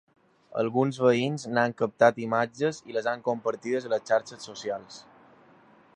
Alguns veïns n’han captat imatges i les han compartides a les xarxes socials.